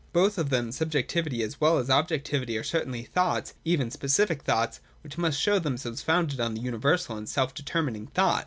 Both of them, subjectivity as well as objectivity, are certainly thoughts— even specific thoughts : which must show themselves founded on the universal and self determining thought.